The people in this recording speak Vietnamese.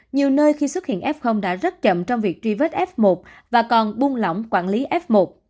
nhiều nơi khi xuất hiện f đã rất chậm trong việc truy vết f một và còn buông lỏng quản lý f một